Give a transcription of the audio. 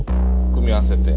組み合わせて。